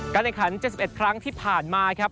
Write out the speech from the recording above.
ในขัน๗๑ครั้งที่ผ่านมาครับ